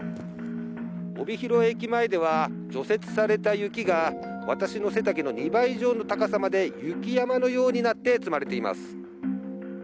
帯広駅前では、除雪された雪が私の背丈の２倍以上の高さまで、雪山のようになって積まれています。